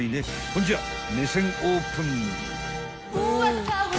［ほんじゃ目線オープン］